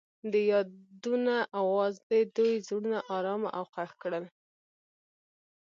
د یادونه اواز د دوی زړونه ارامه او خوښ کړل.